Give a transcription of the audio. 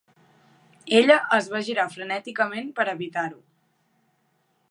Ella es va girar frenèticament per evitar-ho.